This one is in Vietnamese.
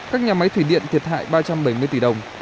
các nhà máy thủy điện thiệt hại ba trăm bảy mươi tỷ đồng